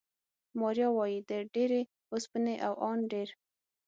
ماریا وايي، د ډېرې اوسپنې او ان ډېر